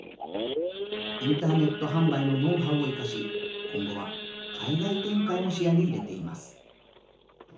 インターネット販売のノウハウを生かし、今後は海外展開も視野に入れています。